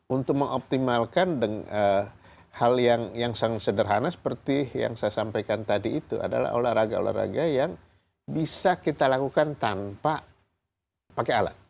untuk mengoptimalkan hal yang sederhana seperti yang saya sampaikan tadi itu adalah olahraga olahraga yang bisa kita lakukan tanpa pakai alat